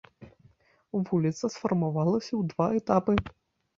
Вуліца сфарміравалася ў два этапы.